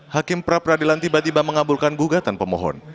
hakim pra peradilan tiba tiba mengabulkan gugatan pemohon